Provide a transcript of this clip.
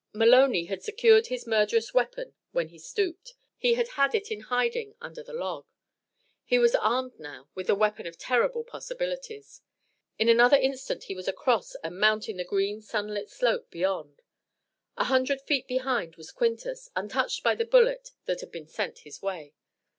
Maloney had secured his murderous weapon when he stooped; he had had it in hiding under the log. He was armed now with a weapon of terrible possibilities. In another instant he was across and mounting the green sunlit slope beyond. A hundred feet behind was Quintus, untouched by the bullet that had been sent his way.